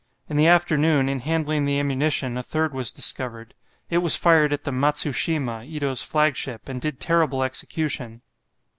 In the afternoon, in handling the ammunition, a third was discovered. It was fired at the "Matsushima," Ito's flagship, and did terrible execution.